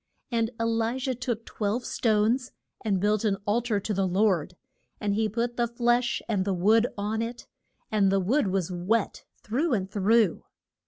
And E li jah took twelve stones, and built an al tar to the Lord. And he put the flesh and the wood on it, and the wood was wet through and through.